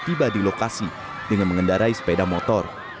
tiba di lokasi dengan mengendarai sepeda motor